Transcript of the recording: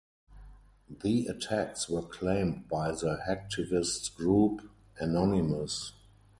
The attacks were claimed by the hacktivist group Anonymous.